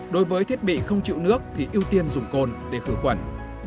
đối với thiết bị không chịu nước thì ưu tiên dùng cồn để khử khuẩn